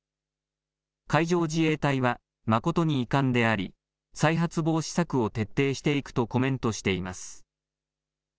海上自衛隊は、誠に遺憾であり、再発防止策を徹底していくとコメントしています。